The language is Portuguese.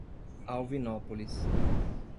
Alvinópolis